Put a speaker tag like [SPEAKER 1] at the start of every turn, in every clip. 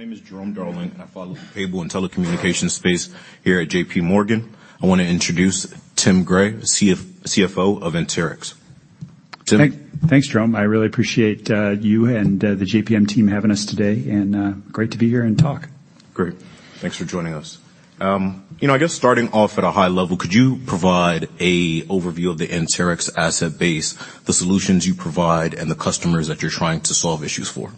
[SPEAKER 1] My name is Jerome Darling, and I follow the cable and telecommunications space here at J.P. Morgan. I want to introduce Tim Gray, CFO of Anterix. Tim?
[SPEAKER 2] Thanks, Jerome. I really appreciate you and the JPM team having us today, and great to be here and talk.
[SPEAKER 1] Great. Thanks for joining us. You know, I guess starting off at a high level, could you provide an overview of the Anterix asset base, the solutions you provide, and the customers that you're trying to solve issues for?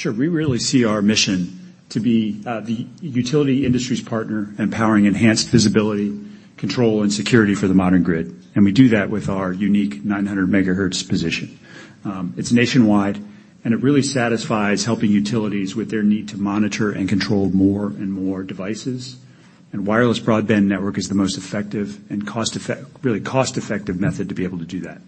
[SPEAKER 2] Sure. We really see our mission to be the utility industry's partner, empowering enhanced visibility, control, and security for the modern grid, and we do that with our unique 900 MHz position. It's nationwide, and it really satisfies helping utilities with their need to monitor and control more and more devices, and wireless broadband network is the most effective and really cost-effective method to be able to do that.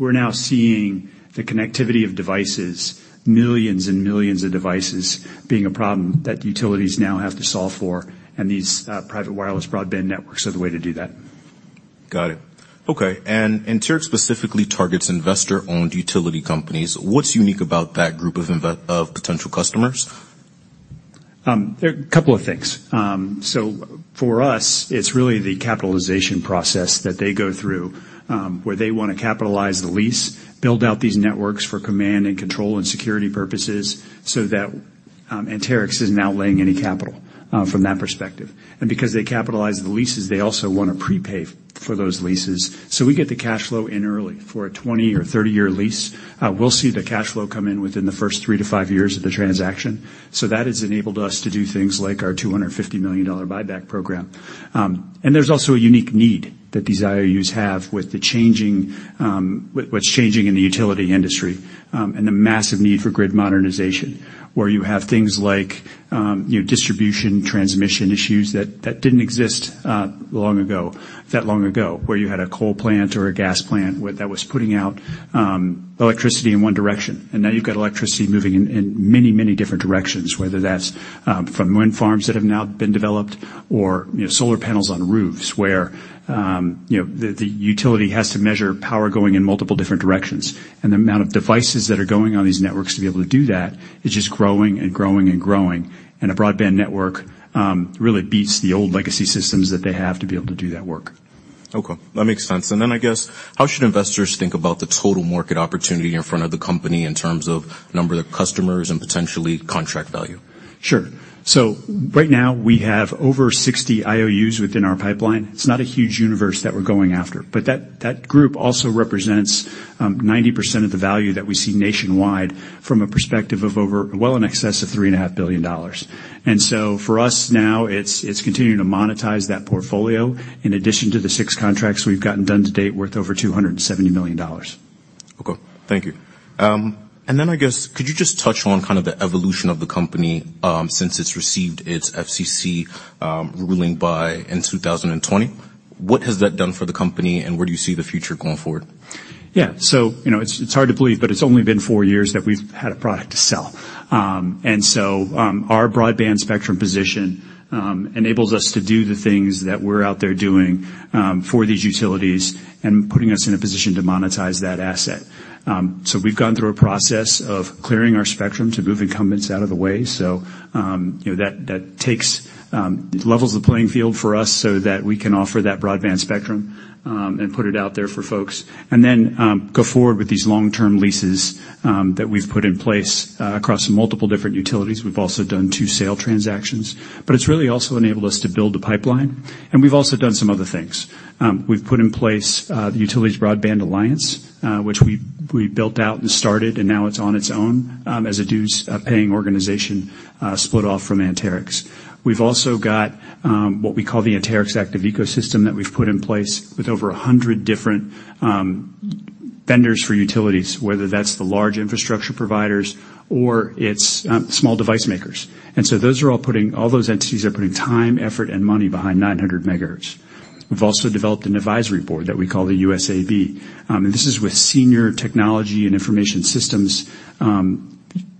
[SPEAKER 2] We're now seeing the connectivity of devices, millions and millions of devices, being a problem that utilities now have to solve for, and these private wireless broadband networks are the way to do that.
[SPEAKER 1] Got it. Okay, and Anterix specifically targets investor-owned utility companies. What's unique about that group of potential customers?
[SPEAKER 2] There are a couple of things. So for us, it's really the capitalization process that they go through, where they want to capitalize the lease, build out these networks for command and control and security purposes so that Anterix isn't outlaying any capital, from that perspective. And because they capitalize the leases, they also want to prepay for those leases, so we get the cash flow in early. For a 20- or 30-year lease, we'll see the cash flow come in within the first 3-5 years of the transaction. So that has enabled us to do things like our $250 million buyback program. And there's also a unique need that these IOUs have with what's changing in the utility industry, and the massive need for grid modernization, where you have things like, you know, distribution, transmission issues that didn't exist long ago, where you had a coal plant or a gas plant where that was putting out electricity in one direction. And now you've got electricity moving in many, many different directions, whether that's from wind farms that have now been developed or, you know, solar panels on roofs, where you know, the utility has to measure power going in multiple different directions. The amount of devices that are going on these networks to be able to do that is just growing and growing and growing, and a broadband network really beats the old legacy systems that they have to be able to do that work.
[SPEAKER 1] Okay, that makes sense. And then I guess, how should investors think about the total market opportunity in front of the company in terms of number of customers and potentially contract value?
[SPEAKER 2] Sure. So right now, we have over 60 IOUs within our pipeline. It's not a huge universe that we're going after, but that, that group also represents, 90% of the value that we see nationwide from a perspective of over, well, in excess of $3.5 billion. And so for us now, it's, it's continuing to monetize that portfolio in addition to the 6 contracts we've gotten done to date, worth over $270 million.
[SPEAKER 1] Okay. Thank you. Then I guess, could you just touch on kind of the evolution of the company, since it's received its FCC ruling by in 2020? What has that done for the company, and where do you see the future going forward?
[SPEAKER 2] Yeah. So, you know, it's hard to believe, but it's only been four years that we've had a product to sell. So, our broadband spectrum position enables us to do the things that we're out there doing for these utilities and putting us in a position to monetize that asset. So we've gone through a process of clearing our spectrum to move incumbents out of the way, so you know, that takes... It levels the playing field for us so that we can offer that broadband spectrum and put it out there for folks, and then go forward with these long-term leases that we've put in place across multiple different utilities. We've also done two sale transactions, but it's really also enabled us to build a pipeline, and we've also done some other things. We've put in place the Utility Broadband Alliance, which we built out and started, and now it's on its own as a dues paying organization, split off from Anterix. We've also got what we call the Anterix Active Ecosystem that we've put in place with over 100 different vendors for utilities, whether that's the large infrastructure providers or it's small device makers. And so all those entities are putting time, effort, and money behind 900 MHz. We've also developed an advisory board that we call the USAB, and this is with senior technology and information systems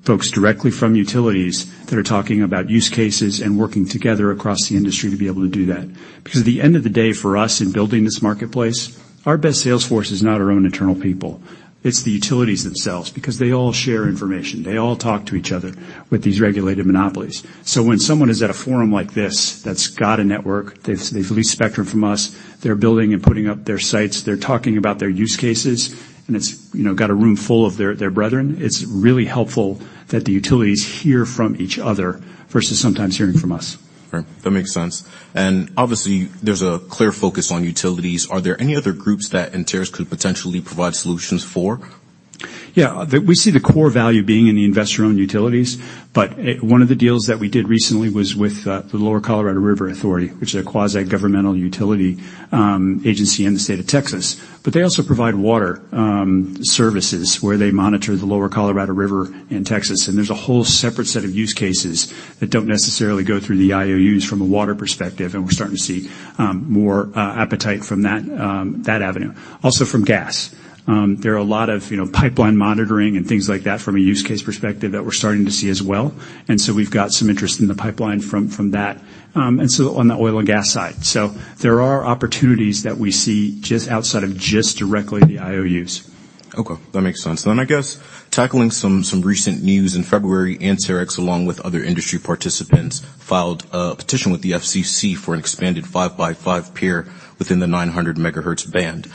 [SPEAKER 2] folks directly from utilities that are talking about use cases and working together across the industry to be able to do that. Because at the end of the day, for us in building this marketplace, our best sales force is not our own internal people, it's the utilities themselves, because they all share information. They all talk to each other with these regulated monopolies. So when someone is at a forum like this, that's got a network, they've leased spectrum from us, they're building and putting up their sites, they're talking about their use cases, and it's, you know, got a room full of their brethren, it's really helpful that the utilities hear from each other versus sometimes hearing from us.
[SPEAKER 1] Right. That makes sense, and obviously, there's a clear focus on utilities. Are there any other groups that Anterix could potentially provide solutions for?
[SPEAKER 2] Yeah. We see the core value being in the investor-owned utilities, but one of the deals that we did recently was with the Lower Colorado River Authority, which is a quasi-governmental utility agency in the state of Texas. But they also provide water services, where they monitor the Lower Colorado River in Texas, and there's a whole separate set of use cases that don't necessarily go through the IOUs from a water perspective, and we're starting to see more appetite from that avenue. Also from gas. There are a lot of, you know, pipeline monitoring and things like that from a use case perspective that we're starting to see as well, and so we've got some interest in the pipeline from that. And so on the oil and gas side. There are opportunities that we see just outside of just directly the IOUs....
[SPEAKER 1] Okay, that makes sense. Then I guess tackling some recent news. In February, Anterix, along with other industry participants, filed a petition with the FCC for an expanded 5x5 within the 900 MHz band.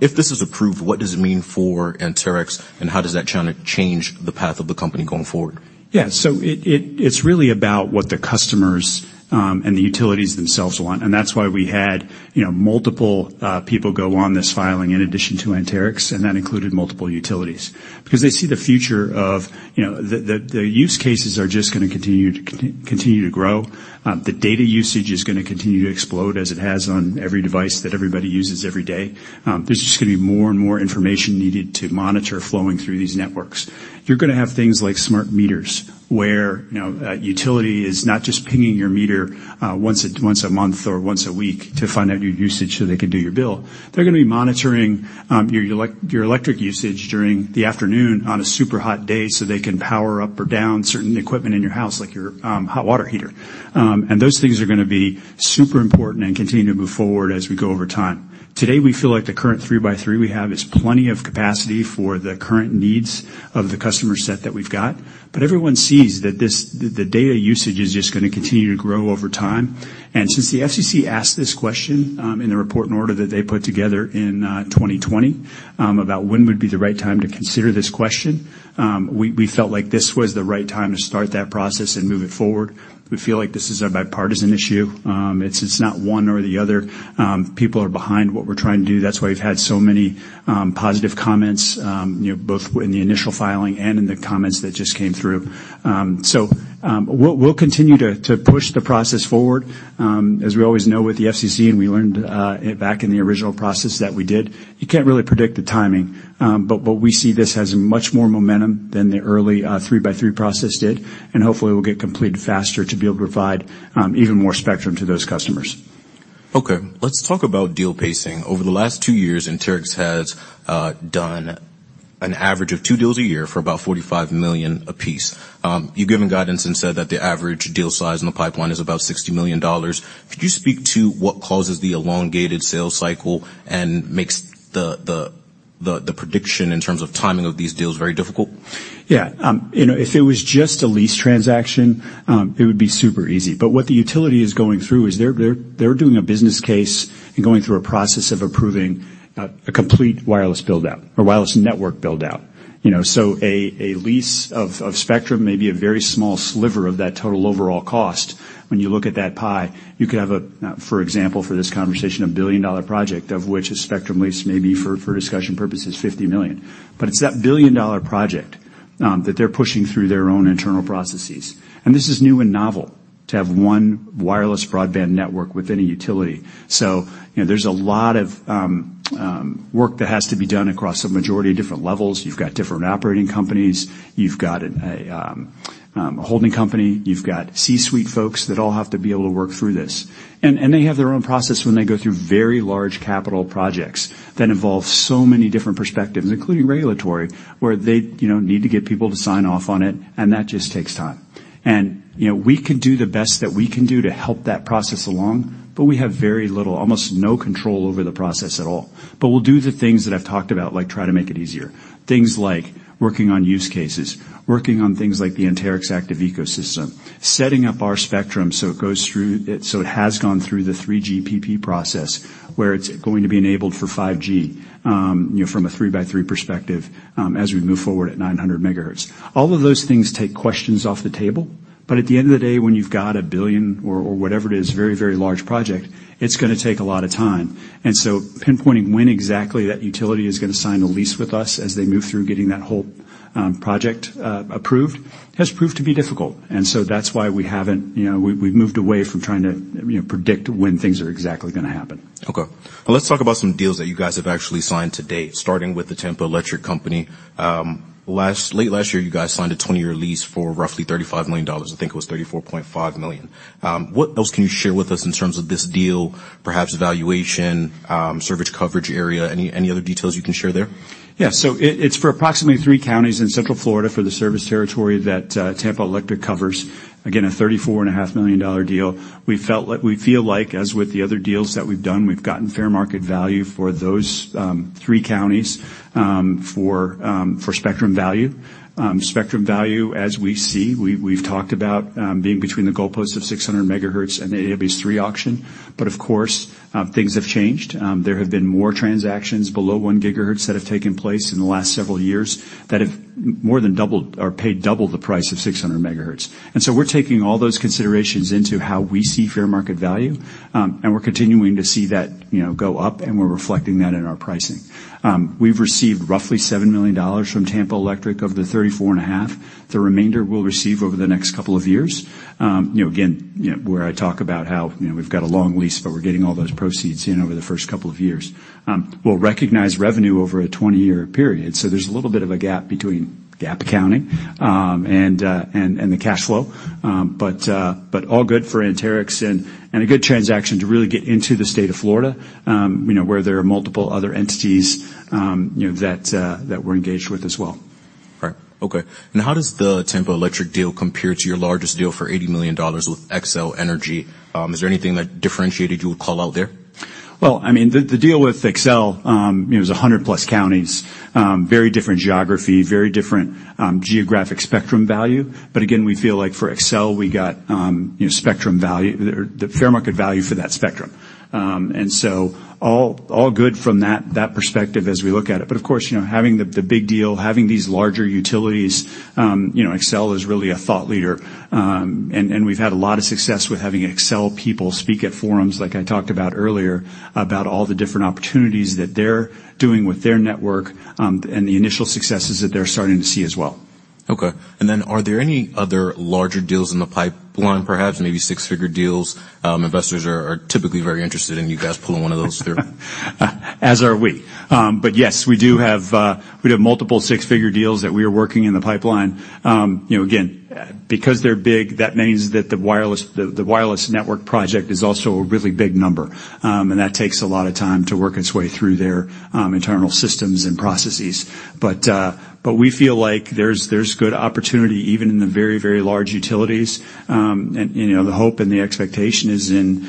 [SPEAKER 1] If this is approved, what does it mean for Anterix, and how does that kinda change the path of the company going forward?
[SPEAKER 2] Yeah, so it, it's really about what the customers and the utilities themselves want, and that's why we had, you know, multiple people go on this filing in addition to Anterix, and that included multiple utilities. Because they see the future of, you know, the use cases are just gonna continue to grow. The data usage is gonna continue to explode as it has on every device that everybody uses every day. There's just gonna be more and more information needed to monitor flowing through these networks. You're gonna have things like smart meters, where, you know, a utility is not just pinging your meter once a month or once a week to find out your usage so they can do your bill. They're gonna be monitoring your electric usage during the afternoon on a super hot day, so they can power up or down certain equipment in your house, like your hot water heater. And those things are gonna be super important and continue to move forward as we go over time. Today, we feel like the current 3x3 we have is plenty of capacity for the current needs of the customer set that we've got, but everyone sees that this, the data usage is just gonna continue to grow over time. And since the FCC asked this question in the Report and Order that they put together in 2020 about when would be the right time to consider this question, we felt like this was the right time to start that process and move it forward. We feel like this is a bipartisan issue. It's, it's not one or the other. People are behind what we're trying to do. That's why we've had so many, positive comments, you know, both in the initial filing and in the comments that just came through. So, we'll, we'll continue to, to push the process forward. As we always know with the FCC, and we learned, back in the original process that we did, you can't really predict the timing, but, but we see this as much more momentum than the early, 3x3 process did, and hopefully it will get completed faster to be able to provide, even more spectrum to those customers.
[SPEAKER 1] Okay, let's talk about deal pacing. Over the last two years, Anterix has done an average of two deals a year for about $45 million apiece. You've given guidance and said that the average deal size in the pipeline is about $60 million. Could you speak to what causes the elongated sales cycle and makes the prediction in terms of timing of these deals very difficult?
[SPEAKER 2] Yeah, you know, if it was just a lease transaction, it would be super easy. But what the utility is going through is they're doing a business case and going through a process of approving a complete wireless build-out or wireless network build-out. You know, so a lease of spectrum may be a very small sliver of that total overall cost. When you look at that pie, you could have a, for example, for this conversation, a billion-dollar project, of which a spectrum lease may be, for discussion purposes, $50 million. But it's that billion-dollar project that they're pushing through their own internal processes, and this is new and novel to have one wireless broadband network with any utility. So, you know, there's a lot of work that has to be done across a majority of different levels. You've got different operating companies. You've got a holding company. You've got C-suite folks that all have to be able to work through this, and they have their own process when they go through very large capital projects that involve so many different perspectives, including regulatory, where they, you know, need to get people to sign off on it, and that just takes time. And, you know, we could do the best that we can do to help that process along, but we have very little, almost no control over the process at all. But we'll do the things that I've talked about, like try to make it easier. Things like working on use cases, working on things like the Anterix Active Ecosystem, setting up our spectrum so it goes through it, so it has gone through the 3GPP process, where it's going to be enabled for 5G, you know, from a 3x3 perspective, as we move forward at 900 MHz. All of those things take questions off the table, but at the end of the day, when you've got a $1 billion or whatever it is, very, very large project, it's gonna take a lot of time. So pinpointing when exactly that utility is gonna sign a lease with us as they move through getting that whole project approved has proved to be difficult, and so that's why we haven't, you know, we've moved away from trying to, you know, predict when things are exactly gonna happen.
[SPEAKER 1] Okay. Well, let's talk about some deals that you guys have actually signed to date, starting with the Tampa Electric Company. Late last year, you guys signed a 20-year lease for roughly $35 million. I think it was $34.5 million. What else can you share with us in terms of this deal? Perhaps valuation, service coverage area, any, any other details you can share there?
[SPEAKER 2] Yeah. So it's for approximately 3 counties in Central Florida for the service territory that Tampa Electric covers. Again, a $34.5 million deal. We felt like, we feel like, as with the other deals that we've done, we've gotten fair market value for those 3 counties, for spectrum value. Spectrum value, as we see, we've talked about, being between the goalposts of 600 MHz and the AWS-3 auction, but of course, things have changed. There have been more transactions below 1 gigahertz that have taken place in the last several years that have more than doubled or paid double the price of 600 MHz. And so we're taking all those considerations into how we see fair market value, and we're continuing to see that, you know, go up, and we're reflecting that in our pricing. We've received roughly $7 million from Tampa Electric, of the $34.5 million. The remainder we'll receive over the next couple of years. You know, again, you know, where I talk about how, you know, we've got a long lease, but we're getting all those proceeds in over the first couple of years. We'll recognize revenue over a 20-year period, so there's a little bit of a gap between GAAP accounting and the cash flow. But all good for Anterix and a good transaction to really get into the state of Florida, you know, where there are multiple other entities, you know, that we're engaged with as well....
[SPEAKER 1] Right. Okay, and how does the Tampa Electric deal compare to your largest deal for $80 million with Xcel Energy? Is there anything that differentiated you would call out there?
[SPEAKER 2] Well, I mean, the deal with Xcel, it was 100+ counties, very different geography, very different geographic spectrum value. But again, we feel like for Xcel, we got, you know, spectrum value, or the fair market value for that spectrum. And so all good from that perspective as we look at it. But of course, you know, having the big deal, having these larger utilities, you know, Xcel is really a thought leader. And we've had a lot of success with having Xcel people speak at forums, like I talked about earlier, about all the different opportunities that they're doing with their network, and the initial successes that they're starting to see as well.
[SPEAKER 1] Okay. And then, are there any other larger deals in the pipeline, perhaps maybe six-figure deals? Investors are typically very interested in you guys pulling one of those through.
[SPEAKER 2] As are we. But yes, we do have, we have multiple six-figure deals that we are working in the pipeline. You know, again, because they're big, that means that the wireless, the, the wireless network project is also a really big number. And that takes a lot of time to work its way through their, internal systems and processes. But, but we feel like there's, there's good opportunity even in the very, very large utilities. And, you know, the hope and the expectation is in,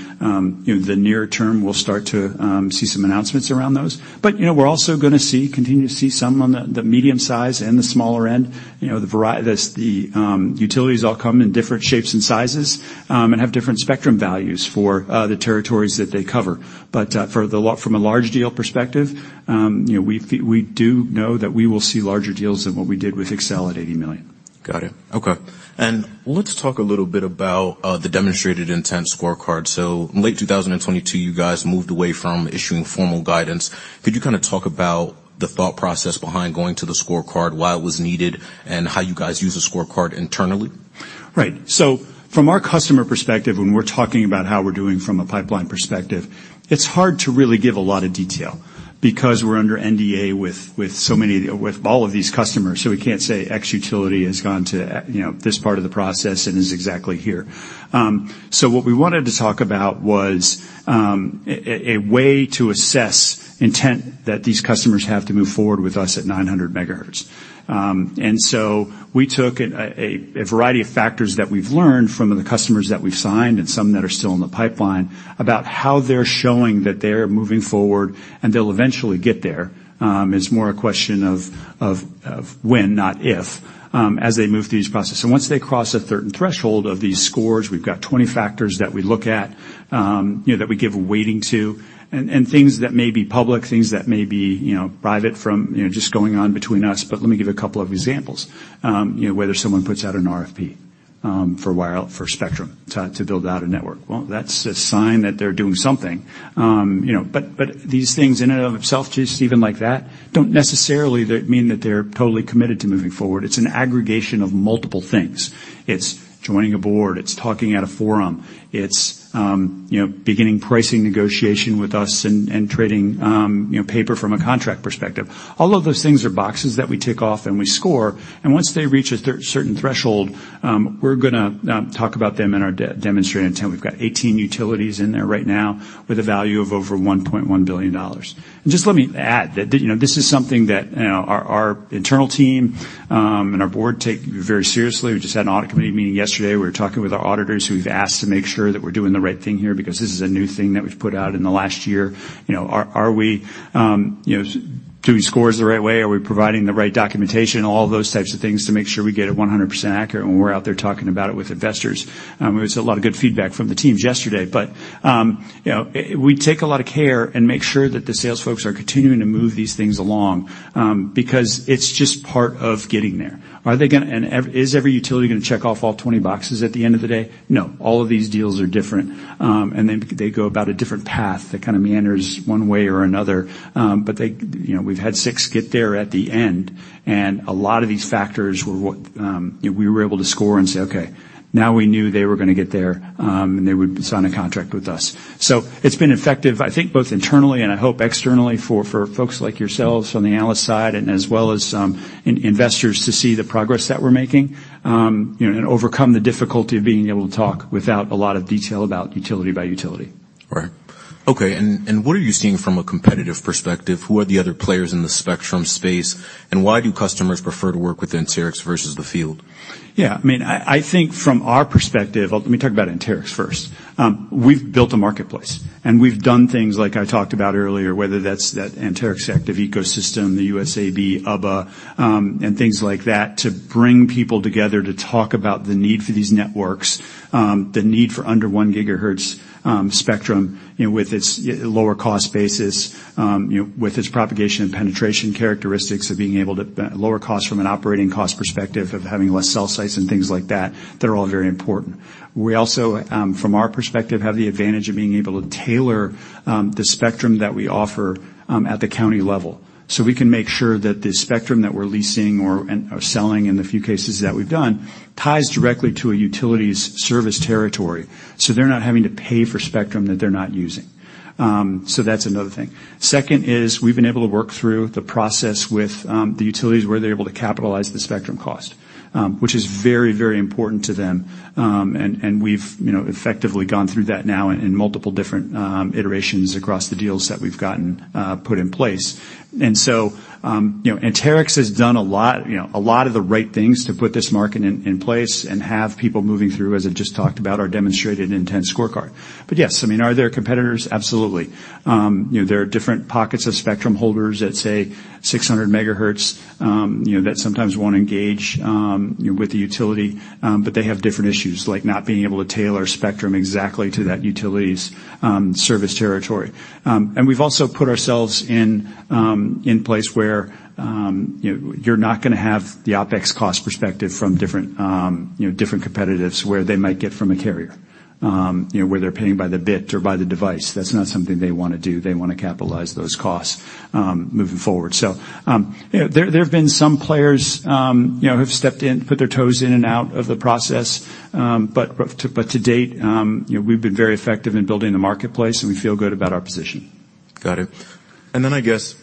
[SPEAKER 2] you know, the near term, we'll start to, see some announcements around those. But, you know, we're also gonna see, continue to see some on the, the medium size and the smaller end. You know, the utilities all come in different shapes and sizes, and have different spectrum values for the territories that they cover. But, from a large deal perspective, you know, we do know that we will see larger deals than what we did with Xcel at $80 million.
[SPEAKER 1] Got it. Okay, and let's talk a little bit about the Demonstrated Intent Scorecard. So in late 2022, you guys moved away from issuing formal guidance. Could you kind of talk about the thought process behind going to the scorecard, why it was needed, and how you guys use the scorecard internally?
[SPEAKER 2] Right. So from our customer perspective, when we're talking about how we're doing from a pipeline perspective, it's hard to really give a lot of detail because we're under NDA with so many, with all of these customers, so we can't say X utility has gone to a, you know, this part of the process and is exactly here. So what we wanted to talk about was a way to assess intent that these customers have to move forward with us at 900 MHz. And so we took at a variety of factors that we've learned from the customers that we've signed and some that are still in the pipeline, about how they're showing that they're moving forward, and they'll eventually get there. It's more a question of when, not if, as they move through these processes. So once they cross a certain threshold of these scores, we've got 20 factors that we look at, you know, that we give a weighting to, and things that may be public, things that may be, you know, private from, you know, just going on between us. But let me give a couple of examples. You know, whether someone puts out an RFP for spectrum to build out a network. Well, that's a sign that they're doing something. You know, but these things in and of itself, just even like that, don't necessarily mean that they're totally committed to moving forward. It's an aggregation of multiple things. It's joining a board, it's talking at a forum, it's, you know, beginning pricing negotiation with us and trading, you know, paper from a contract perspective. All of those things are boxes that we tick off, and we score, and once they reach a certain threshold, we're gonna talk about them in our demonstrated intent. We've got 18 utilities in there right now with a value of over $1.1 billion. And just let me add, that, you know, this is something that, you know, our internal team, and our board take very seriously. We just had an audit committee meeting yesterday. We were talking with our auditors, who we've asked to make sure that we're doing the right thing here, because this is a new thing that we've put out in the last year. You know, are we doing scores the right way? Are we providing the right documentation? All of those types of things to make sure we get it 100% accurate when we're out there talking about it with investors. It was a lot of good feedback from the teams yesterday, but, you know, we take a lot of care and make sure that the sales folks are continuing to move these things along, because it's just part of getting there. Are they gonna... is every utility gonna check off all 20 boxes at the end of the day? No, all of these deals are different. And then they go about a different path that kind of meanders one way or another. But they, you know, we've had six get there at the end, and a lot of these factors were what, you know, we were able to score and say, "Okay, now we knew they were gonna get there, and they would sign a contract with us." So it's been effective, I think, both internally and I hope externally for, for folks like yourselves on the analyst side, and as well as, investors to see the progress that we're making. And overcome the difficulty of being able to talk without a lot of detail about utility by utility.
[SPEAKER 1] Right. Okay, and, and what are you seeing from a competitive perspective? Who are the other players in the spectrum space, and why do customers prefer to work with Anterix versus the field?
[SPEAKER 2] Yeah, I mean, I think from our perspective, let me talk about Anterix first. We've built a marketplace, and we've done things like I talked about earlier, whether that's the Anterix Active Ecosystem, the USAB, UBBA, and things like that, to bring people together to talk about the need for these networks, the need for under one gigahertz spectrum, you know, with its lower cost basis, you know, with its propagation and penetration characteristics of being able to lower costs from an operating cost perspective, of having less cell sites and things like that, that are all very important. We also, from our perspective, have the advantage of being able to tailor the spectrum that we offer at the county level. So we can make sure that the spectrum that we're leasing or, and are selling in the few cases that we've done, ties directly to a utility's service territory... So they're not having to pay for spectrum that they're not using. So that's another thing. Second is, we've been able to work through the process with the utilities, where they're able to capitalize the spectrum cost, which is very, very important to them. And we've, you know, effectively gone through that now in multiple different iterations across the deals that we've gotten put in place. And so, you know, Anterix has done a lot, you know, a lot of the right things to put this market in place and have people moving through, as I just talked about, our Demonstrated Intent Scorecard. But yes, I mean, are there competitors? Absolutely. You know, there are different pockets of spectrum holders that say 600 MHz, you know, that sometimes won't engage with the utility, but they have different issues, like not being able to tailor spectrum exactly to that utility's service territory. And we've also put ourselves in place where, you know, you're not gonna have the OpEx cost perspective from different, you know, different competitives, where they might get from a carrier, you know, where they're paying by the bit or by the device. That's not something they wanna do. They wanna capitalize those costs, moving forward. You know, there have been some players, you know, who've stepped in, put their toes in and out of the process, but to date, you know, we've been very effective in building the marketplace, and we feel good about our position.
[SPEAKER 1] Got it. And then, I guess,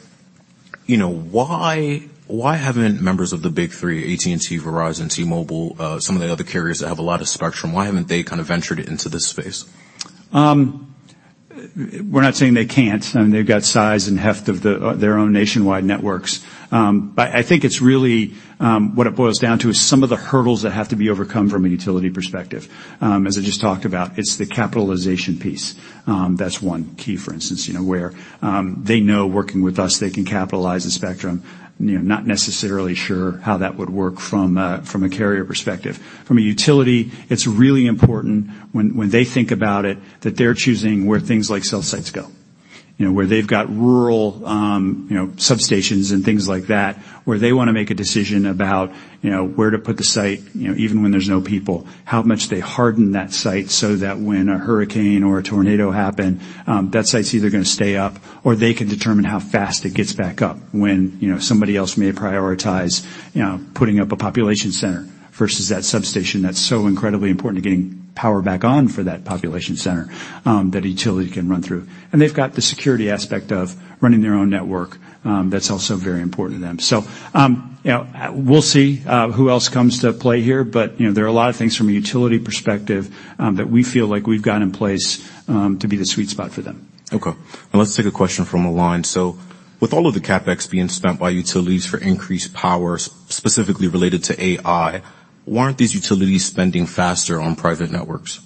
[SPEAKER 1] you know, why, why haven't members of the Big Three, AT&T, Verizon, T-Mobile, some of the other carriers that have a lot of spectrum, why haven't they kind of ventured into this space?
[SPEAKER 2] We're not saying they can't, and they've got size and heft of their own nationwide networks. But I think it's really what it boils down to is some of the hurdles that have to be overcome from a utility perspective. As I just talked about, it's the capitalization piece. That's one key, for instance, you know, where they know working with us, they can capitalize the spectrum, you know, not necessarily sure how that would work from a carrier perspective. From a utility, it's really important when they think about it, that they're choosing where things like cell sites go, you know, where they've got rural, you know, substations and things like that, where they wanna make a decision about, you know, where to put the site, you know, even when there's no people. How much they harden that site so that when a hurricane or a tornado happen, that site's either gonna stay up or they can determine how fast it gets back up when, you know, somebody else may prioritize, you know, putting up a population center versus that substation that's so incredibly important to getting power back on for that population center, that a utility can run through. And they've got the security aspect of running their own network, that's also very important to them. So, you know, we'll see, who else comes to play here, but, you know, there are a lot of things from a utility perspective, that we feel like we've got in place, to be the sweet spot for them.
[SPEAKER 1] Okay, now let's take a question from the line. "So with all of the CapEx being spent by utilities for increased power, specifically related to AI, why aren't these utilities spending faster on private networks?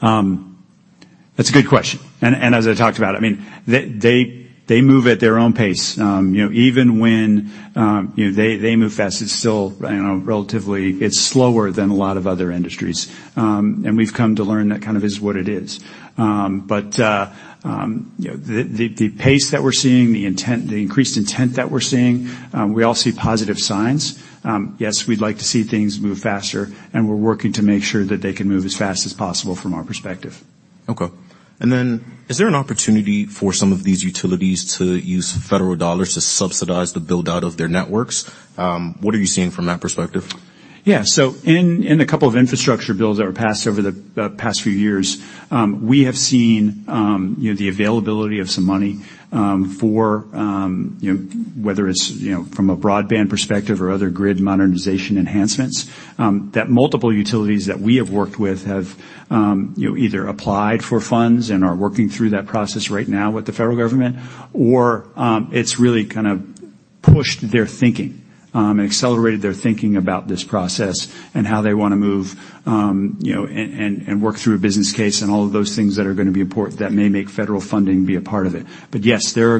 [SPEAKER 2] That's a good question, and as I talked about, I mean, they move at their own pace. You know, even when you know, they move fast, it's still, you know, relatively... It's slower than a lot of other industries, and we've come to learn that kind of is what it is. But you know, the pace that we're seeing, the intent, the increased intent that we're seeing, we all see positive signs. Yes, we'd like to see things move faster, and we're working to make sure that they can move as fast as possible from our perspective.
[SPEAKER 1] Okay. Is there an opportunity for some of these utilities to use federal dollars to subsidize the build-out of their networks? What are you seeing from that perspective?
[SPEAKER 2] Yeah. So in a couple of infrastructure bills that were passed over the past few years, we have seen, you know, the availability of some money for, you know, whether it's, you know, from a broadband perspective or other grid modernization enhancements, that multiple utilities that we have worked with have, you know, either applied for funds and are working through that process right now with the federal government, or it's really kind of pushed their thinking and accelerated their thinking about this process and how they wanna move, you know, and work through a business case and all of those things that are gonna be important, that may make federal funding be a part of it. But yes, there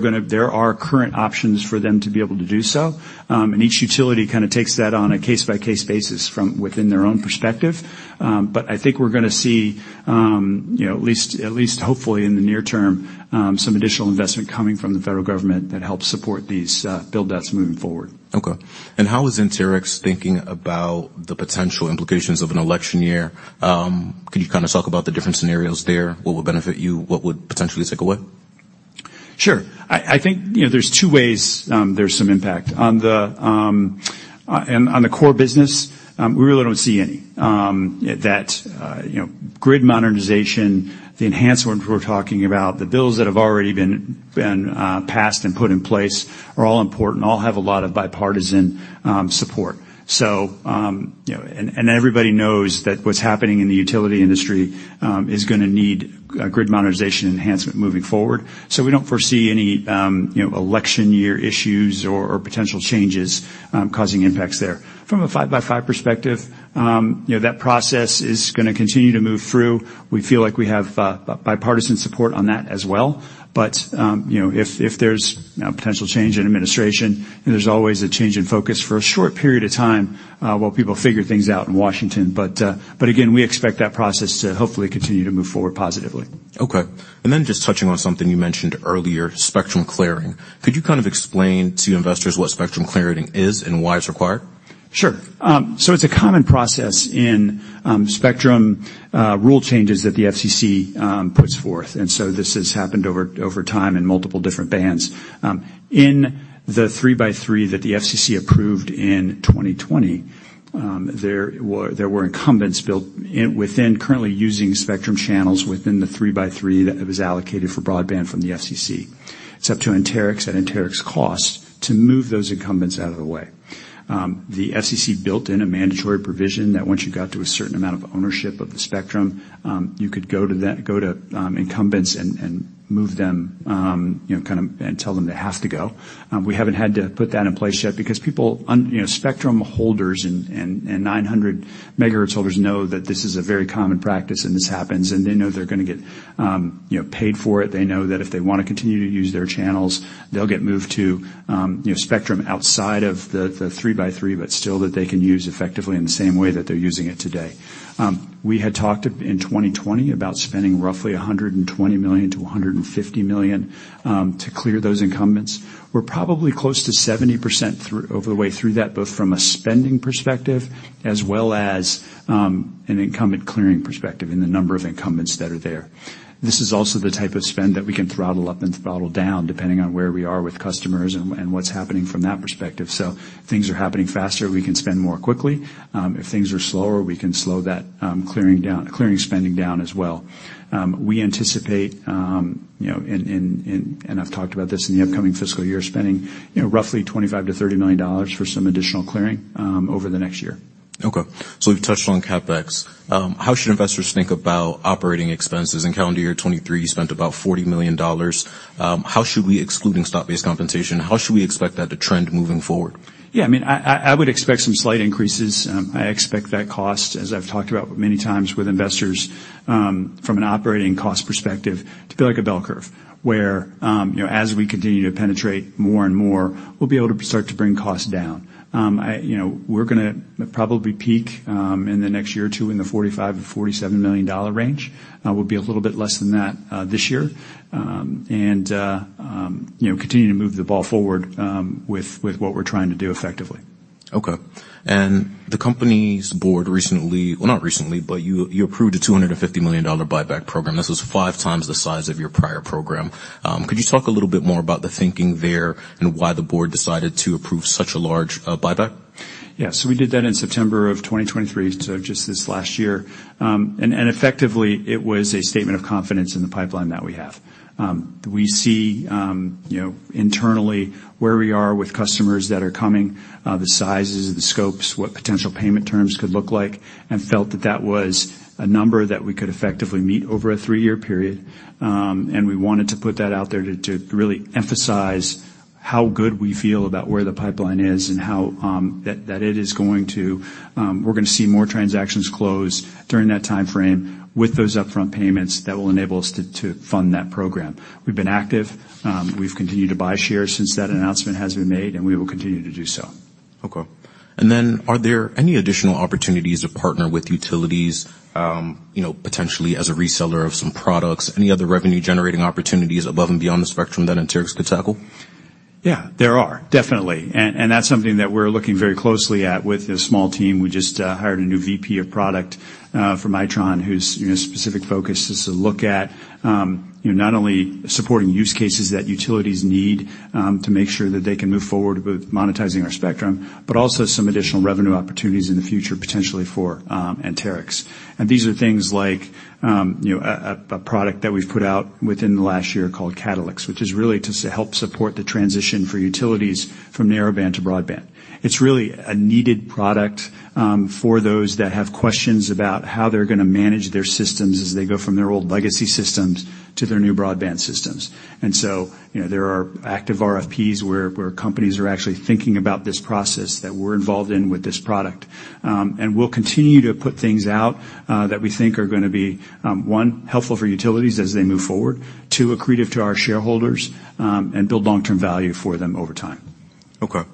[SPEAKER 2] are current options for them to be able to do so, and each utility kind of takes that on a case-by-case basis from within their own perspective. But I think we're gonna see, you know, at least hopefully in the near term, some additional investment coming from the federal government that helps support these build-outs moving forward.
[SPEAKER 1] Okay. And how is Anterix thinking about the potential implications of an election year? Could you kind of talk about the different scenarios there? What would benefit you? What would potentially take away?
[SPEAKER 2] Sure. I think, you know, there's two ways, there's some impact. On the on the core business, we really don't see any that you know, grid modernization, the enhancements we're talking about, the bills that have already been passed and put in place are all important, all have a lot of bipartisan support. So, you know, and everybody knows that what's happening in the utility industry is gonna need grid modernization enhancement moving forward. So we don't foresee any you know, election year issues or potential changes causing impacts there. From a 5x5 perspective, you know, that process is gonna continue to move through. We feel like we have bipartisan support on that as well. But, you know, if there's, you know, potential change in administration, there's always a change in focus for a short period of time, while people figure things out in Washington. But again, we expect that process to hopefully continue to move forward positively.
[SPEAKER 1] Okay. And then just touching on something you mentioned earlier, spectrum clearing. Could you kind of explain to investors what spectrum clearing is, and why it's required?
[SPEAKER 2] Sure. So it's a common process in spectrum rule changes that the FCC puts forth, and so this has happened over time in multiple different bands. In the 3x3 that the FCC approved in 2020, there were incumbents built in within currently using spectrum channels within the 3x3 that was allocated for broadband from the FCC. It's up to Anterix, at Anterix's cost, to move those incumbents out of the way. The FCC built in a mandatory provision that once you got to a certain amount of ownership of the spectrum, you could go to incumbents and move them, you know, kind of, and tell them they have to go. We haven't had to put that in place yet, because people, you know, spectrum holders and 900 MHz holders know that this is a very common practice, and this happens, and they know they're gonna get, you know, paid for it. They know that if they wanna continue to use their channels, they'll get moved to, you know, spectrum outside of the 3x3, but still that they can use effectively in the same way that they're using it today. We had talked in 2020 about spending roughly $120 million-$150 million to clear those incumbents. We're probably close to 70% of the way through that, both from a spending perspective as well as an incumbent clearing perspective in the number of incumbents that are there. This is also the type of spend that we can throttle up and throttle down, depending on where we are with customers and what's happening from that perspective. So if things are happening faster, we can spend more quickly. If things are slower, we can slow that clearing down, clearing spending down as well. We anticipate, you know, and I've talked about this in the upcoming fiscal year, spending, you know, roughly $25-$39 for some additional clearing over the next year.
[SPEAKER 1] Okay. So we've touched on CapEx. How should investors think about operating expenses? In calendar year 2023, you spent about $40 million. Excluding stock-based compensation, how should we expect that to trend moving forward?
[SPEAKER 2] Yeah, I mean, I would expect some slight increases. I expect that cost, as I've talked about many times with investors, from an operating cost perspective, to be like a bell curve, where, you know, as we continue to penetrate more and more, we'll be able to start to bring costs down. You know, we're gonna probably peak in the next year or two in the $45 million-$47 million range. We'll be a little bit less than that this year. And, you know, continue to move the ball forward with what we're trying to do effectively.
[SPEAKER 1] Okay. And the company's board recently... Well, not recently, but you approved a $250 million buyback program. This was five times the size of your prior program. Could you talk a little bit more about the thinking there, and why the board decided to approve such a large buyback?
[SPEAKER 2] Yeah. So we did that in September of 2023, so just this last year. And effectively, it was a statement of confidence in the pipeline that we have. We see, you know, internally, where we are with customers that are coming, the sizes and the scopes, what potential payment terms could look like, and felt that that was a number that we could effectively meet over a three-year period. And we wanted to put that out there to really emphasize how good we feel about where the pipeline is and how, that, that it is going to... We're gonna see more transactions close during that timeframe with those upfront payments that will enable us to fund that program. We've been active. We've continued to buy shares since that announcement has been made, and we will continue to do so.
[SPEAKER 1] Okay. And then, are there any additional opportunities to partner with utilities, you know, potentially as a reseller of some products? Any other revenue-generating opportunities above and beyond the spectrum that Anterix could tackle?
[SPEAKER 2] Yeah, there are definitely, and that's something that we're looking very closely at with a small team. We just hired a new VP of Product from Itron, whose you know specific focus is to look at, you know, not only supporting use cases that utilities need to make sure that they can move forward with monetizing our spectrum, but also some additional revenue opportunities in the future, potentially for Anterix. And these are things like, you know, a product that we've put out within the last year called CatalyX, which is really to help support the transition for utilities from narrowband to broadband. It's really a needed product for those that have questions about how they're gonna manage their systems as they go from their old legacy systems to their new broadband systems. So, you know, there are active RFPs, where companies are actually thinking about this process that we're involved in with this product. We'll continue to put things out that we think are gonna be one, helpful for utilities as they move forward. Two, accretive to our shareholders, and build long-term value for them over time.
[SPEAKER 1] Okay.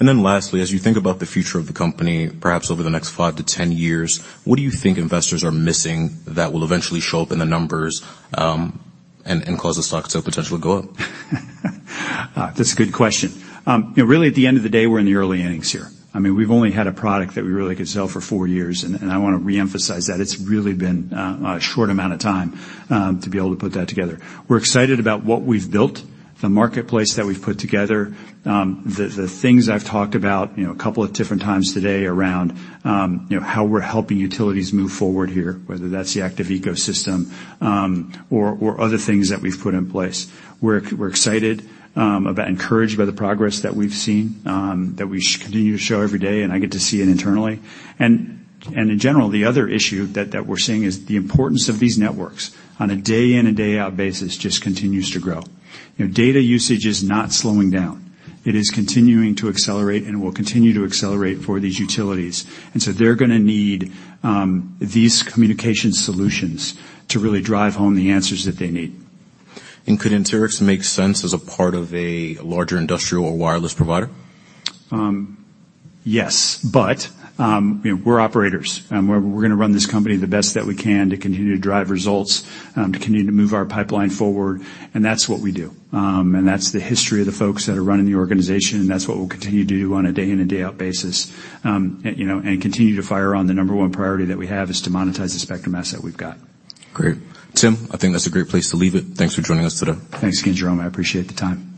[SPEAKER 1] And then lastly, as you think about the future of the company, perhaps over the next 5-10 years, what do you think investors are missing that will eventually show up in the numbers, and cause the stock to potentially go up?
[SPEAKER 2] That's a good question. You know, really, at the end of the day, we're in the early innings here. I mean, we've only had a product that we really could sell for four years, and I wanna reemphasize that. It's really been a short amount of time to be able to put that together. We're excited about what we've built, the marketplace that we've put together, the things I've talked about, you know, a couple of different times today around, you know, how we're helping utilities move forward here, whether that's the Active Ecosystem or other things that we've put in place. We're excited, encouraged by the progress that we've seen that we continue to show every day, and I get to see it internally. In general, the other issue that we're seeing is the importance of these networks on a day in and day out basis just continues to grow. You know, data usage is not slowing down. It is continuing to accelerate and will continue to accelerate for these utilities, and so they're gonna need these communication solutions to really drive home the answers that they need.
[SPEAKER 1] Could Anterix make sense as a part of a larger industrial or wireless provider?
[SPEAKER 2] Yes, but, you know, we're operators, and we're gonna run this company the best that we can to continue to drive results, to continue to move our pipeline forward, and that's what we do. And that's the history of the folks that are running the organization, and that's what we'll continue to do on a day in and day out basis. And, you know, continue to fire on the number one priority that we have, is to monetize the spectrum asset we've got.
[SPEAKER 1] Great. Tim, I think that's a great place to leave it. Thanks for joining us today.
[SPEAKER 2] Thanks again, Jerome. I appreciate the time.